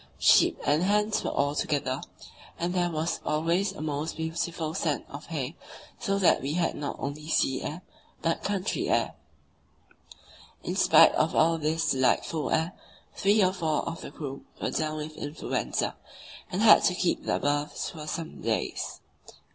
Sheep and hens were all together, and there was always a most beautiful scent of hay, so that we had not only sea air, but "country air." In spite of all this delightful air, three or four of the crew were down with influenza, and had to keep their berths for some days.